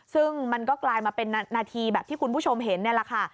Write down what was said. ซึ่งมันก็กลายมาเป็นนาทีแบบที่คุณผู้ชมเห็นนี่แหละค่ะ